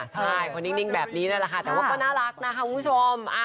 ใช่คนนิ่งแบบนี้นั่นแหละค่ะแต่ว่าก็น่ารักนะคะคุณผู้ชม